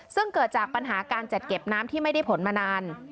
ซึ่งเกิดจากปัญหาการจัดเก็บน้ำที่ไม่ได้ผลมานาน